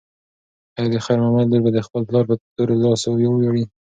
ایا د خیر محمد لور به د خپل پلار په تورو لاسو وویاړي؟